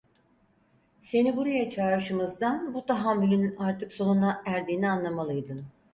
Seni buraya çağrışımızdan bu tahammülün artık sonuna erdiğini anlamalıydın!